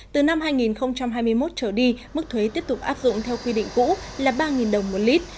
từ năm hai nghìn hai mươi một trở đi mức thuế tiếp tục áp dụng theo quy định cũ là ba đồng một lít